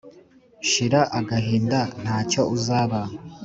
shira agahinda ntacyo uzaba.